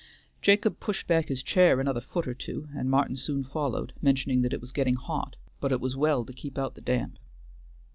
Jacob pushed back his chair another foot or two, and Martin soon followed, mentioning that it was getting hot, but it was well to keep out the damp.